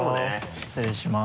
失礼します。